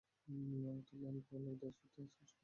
তো, Len Caldwell সত্যিই আজ সকালে এখানে আসতে চেয়েছিলেন।